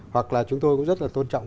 hoặc là chúng tôi cũng rất là tôn trọng